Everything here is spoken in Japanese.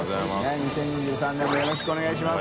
２０２３年もよろしくお願いします。